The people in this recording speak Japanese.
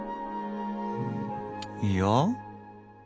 いや。